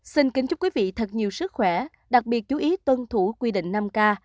xin kính chúc quý vị thật nhiều sức khỏe đặc biệt chú ý tuân thủ quy định năm k